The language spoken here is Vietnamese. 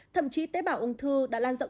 thậm chí tế bảo ung thư đã lan rộng